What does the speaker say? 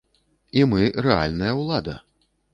І мы рэальная ўлада.